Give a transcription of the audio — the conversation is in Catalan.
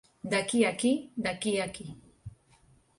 D'aquí a aquí... d'aquí a aquí...